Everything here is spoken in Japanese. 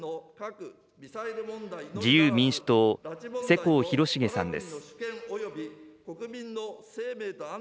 自由民主党、世耕弘成さんです。